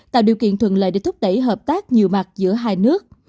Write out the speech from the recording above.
tạo điều kiện thuận lợi để thúc đẩy hợp tác nhiều mặt giữa hai nước